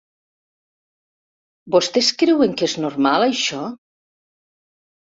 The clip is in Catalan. ¿Vostès creuen que és normal, això?